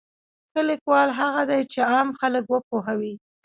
ښه لیکوال هغه دی چې عام خلک وپوهوي.